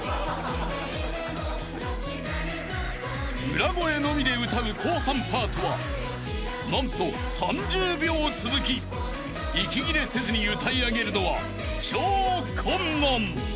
［裏声のみで歌う後半パートは何と３０秒続き息切れせずに歌い上げるのは超困難］